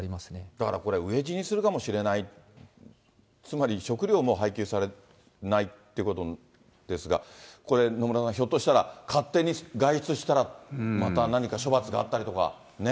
だからこれ、飢え死にするかもしれない、つまり、食料も配給されないっていうことですが、これ、野村さん、ひょっとしたら、勝手に外出したらまた何か処罰があったりとかね。